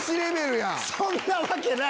そんなわけない！